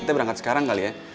kita berangkat sekarang kali ya